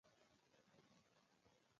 چې کالم باید روانه او سلیسه ژبه ولري.